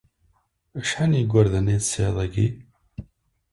Acḥal n yigerdan ay tesɛiḍ yagi?